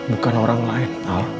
bukan orang lain